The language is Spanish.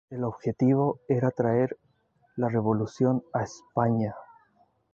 El objetivo era traer la revolución a España.